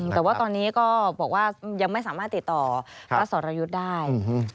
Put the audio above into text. แต่ว่าตอนนี้ก็บอกว่ายังไม่สามารถติดต่อพระสรยุทธ์ได้